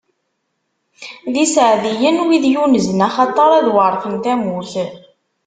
D iseɛdiyen, wid yunzen, axaṭer ad weṛten tamurt!